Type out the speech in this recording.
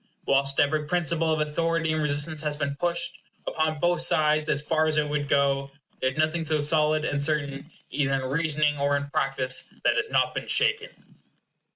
Whilst every principle of authority and resistance has been pushed, upon both sides, as far as it would go, there is nothing so solid and certain, either in reasoning or in practice, that has not been shaken.